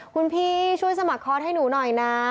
คุณพี่ช่วยสมัครคอร์สให้หนูหน่อยนะ